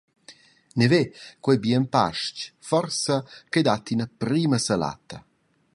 Neve, quei bien pastg forz che dat ina prima salata.